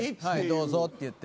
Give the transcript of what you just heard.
どうぞっていって。